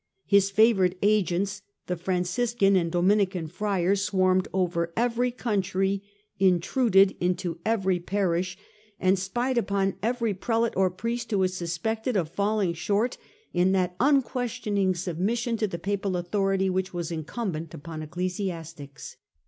His favoured agents, the Franciscan and Dominican friars, swarmed over every country, intruded into every parish, 2io STUPOR MUNDI and spied upon every prelate or priest who was suspected of falling short in that unquestioning submission to the Papal authority which was incumbent upon ecclesiastics.